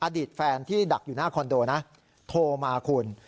อดีตแฟนที่ดักอยู่หน้าคอนโดนะโทรมาคุณ